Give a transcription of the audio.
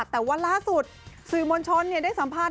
แต่วันล่าสุดสื่อมณชนเนี่ยได้สัมภาษณ์